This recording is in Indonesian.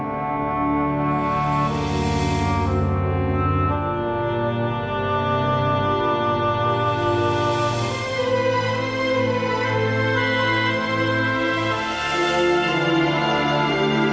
pemukulnya diri fight